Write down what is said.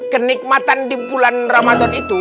kenikmatan di bulan ramadan itu